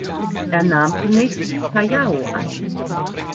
Er nahm zunächst Phayao ein.